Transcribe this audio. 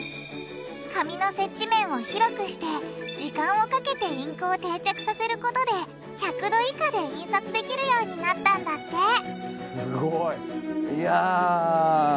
紙の接地面を広くして時間をかけてインクを定着させることで１００℃以下で印刷できるようになったんだって！